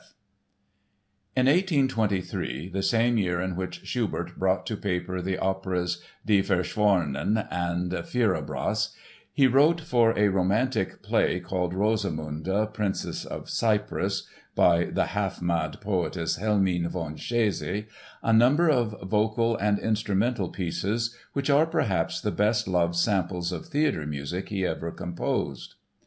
The "Rosamunde" Overture In 1823, the same year in which Schubert brought to paper the operas Die Verschworenen and Fierrabras he wrote for a romantic play called Rosamunde, Princess of Cyprus, by the half mad poetess Helmine von Chezy, a number of vocal and instrumental pieces which are perhaps the best loved samples of theatre music he ever composed.